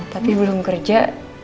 tapi belum kerja